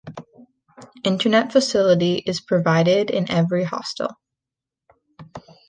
Internet facility is provided in every hostel.